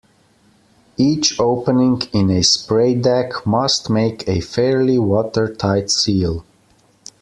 Each opening in a spraydeck must make a fairly watertight seal.